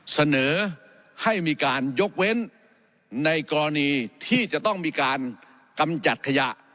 เสนอให้มีการยกเว้นในกรณีที่จะต้องมีการกำจัดขยะ